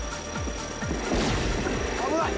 危ない！